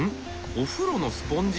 お風呂のスポンジ！？